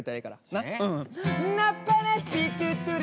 なっ。